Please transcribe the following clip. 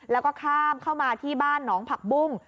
แล้วก็ข้ามเข้ามาที่บ้านหนองผักบุ้ง